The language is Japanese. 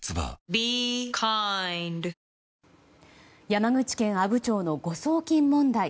山口県阿武町の誤送金問題。